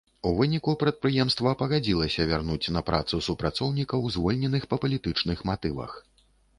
У выніку, прадпрыемства пагадзілася вярнуць на працу супрацоўнікаў, звольненых па палітычных матывах.